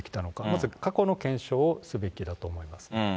まず過去の検証をすべきだと思います。